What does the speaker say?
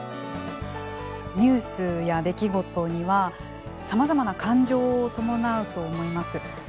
ニュースや出来事にはさまざまな感情を伴うと思います。